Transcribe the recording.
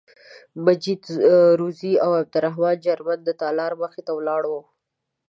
مجید روزي او عبدالرحمن جرمن د تالار مخې ته ولاړ وو.